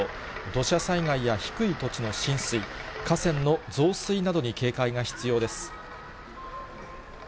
土砂災害や低い土地の浸水、河川の増水などに警戒が必要です。